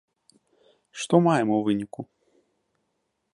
Што маем у выніку?